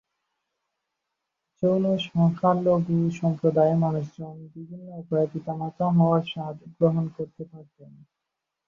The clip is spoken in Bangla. যৌন সংখ্যালঘু সম্প্রদায়ের মানুষজন বিভিন্ন উপায়ে পিতামাতা হওয়ার স্বাদ গ্রহণ করতে পারেন।